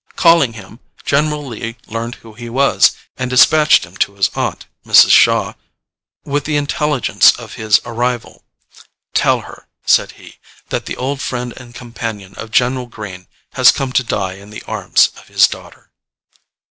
Calling him, General Lee learned who he was, and despatched him to his aunt, Mrs. Shaw, with the intelligence of his arrival. "Tell her," said he, "that the old friend and companion of General Greene has come to die in the arms of his daughter."